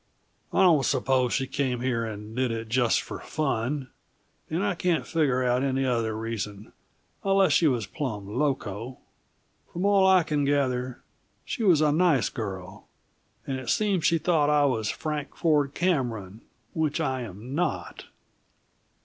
I don't suppose she came here and did it just for fun and I can't figure out any other reason, unless she was plumb loco. From all I can gather, she was a nice girl, and it seems she thought I was Frank Ford Cameron which I am not!"